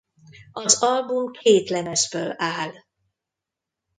Az album két lemezből áll.